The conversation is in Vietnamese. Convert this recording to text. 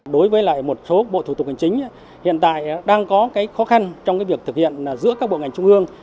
đối với lại một số bộ thủ tục hành chính hiện tại đang có khó khăn trong việc thực hiện giữa các bộ ngành trung ương